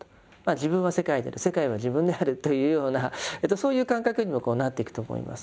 自分は世界であり世界は自分であるというようなそういう感覚にもなっていくと思います。